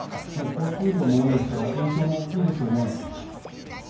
交通量も多いですから影響も大きいですよね。